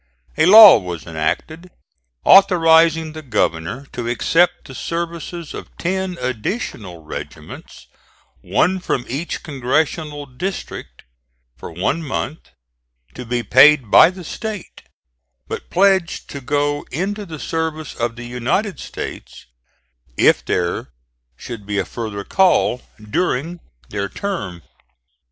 A law was enacted authorizing the governor to accept the services of ten additional regiments, one from each congressional district, for one month, to be paid by the State, but pledged to go into the service of the United States if there should be a further call during their term.